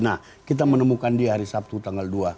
nah kita menemukan dia hari sabtu tanggal dua